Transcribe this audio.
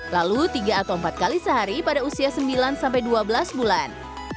lalu tiga atau empat kali sehari pada usia sembilan sampai dua belas bulan